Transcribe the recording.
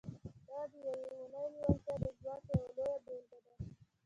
دا د يوې اورنۍ لېوالتیا د ځواک يوه لويه بېلګه ده.